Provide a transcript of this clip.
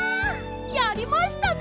やりましたね！